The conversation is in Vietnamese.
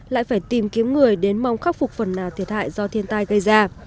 lại phải tìm kiếm người đến mong khắc phục phần nào thiệt hại do thiên tai gây ra